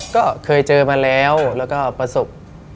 ก็เคยเจอมาแล้วแล้วก็ประสบ